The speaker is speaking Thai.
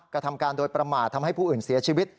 กระทำการโดยประมาททำให้ผู้อื่นเสียชีวิต